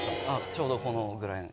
ちょうどこのぐらいの。